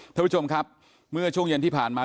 ท่านผู้ชมครับเมื่อช่วงเย็นที่ผ่านมา